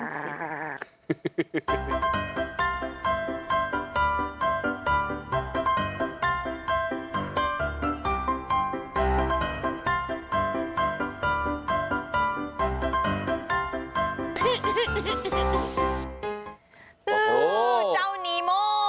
เจ้านีโม